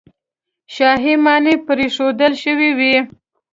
شاهي ماڼۍ پرېښودل شوې وې.